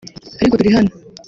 ariko turi hano